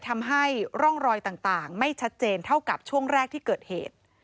ทำให้ร่องรอยต่างไม่ชัดเจนเท่ากับช่วงแรกที่เกิดเหตุ